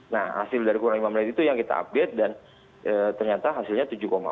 nah hasil dari kurang lima menit itu yang kita update dan ternyata hasilnya tujuh empat